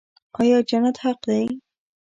آیا جنت حق دی؟